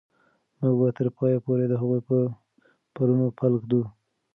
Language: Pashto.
موږ به تر پایه پورې د هغوی په پلونو پل ږدو.